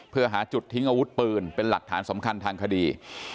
เพื่อหาจุดทิ้งอาวุธปืนเป็นหลักฐานสำคัญทางคดี